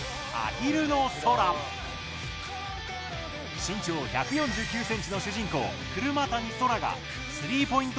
身長１４９ｃｍの主人公・車谷空がスリーポイント